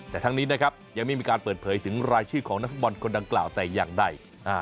แต่ทั้งนี้นะครับยังไม่มีการเปิดเผยถึงรายชื่อของนักฟุตบอลคนดังกล่าวแต่อย่างใด